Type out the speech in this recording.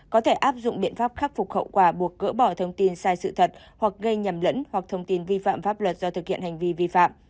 có thể áp dụng biện pháp khắc phục hậu quả buộc gỡ bỏ thông tin sai sự thật hoặc gây nhầm lẫn hoặc thông tin vi phạm pháp luật do thực hiện hành vi vi phạm